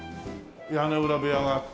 屋根裏部屋があって。